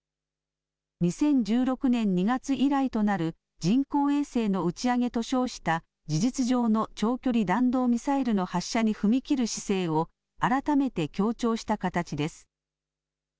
２０１６年２月以来となる人工衛星の打ち上げと称した事実上の長距離弾道ミサイルの発射に踏み切る姿勢を改めて強調した形です。